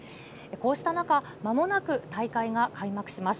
こうした中、まもなく大会が開幕します。